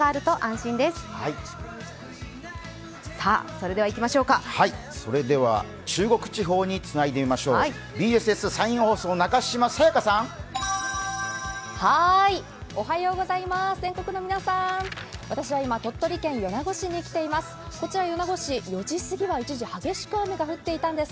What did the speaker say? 全国の皆さんおはようございます、私は今、鳥取県米子市に来ています。